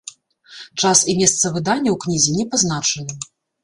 Час і месца выдання ў кнізе не пазначаны.